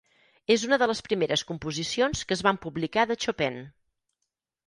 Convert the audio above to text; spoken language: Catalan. És una de les primeres composicions que es van publicar de Chopin.